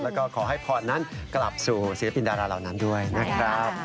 แล้วก็ขอให้พรนั้นกลับสู่ศิลปินดาราเหล่านั้นด้วยนะครับ